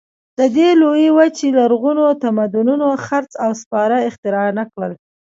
د دې لویې وچې لرغونو تمدنونو څرخ او سپاره اختراع نه کړل.